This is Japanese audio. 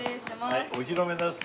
はいお披露目です。